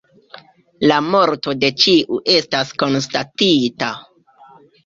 La morto de ĉiu estas konstatita.